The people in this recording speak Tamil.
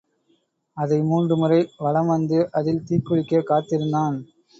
அதை மூன்று முறை வலம் வந்து அதில் தீக்குளிக்கக் காத்திருந்தான்.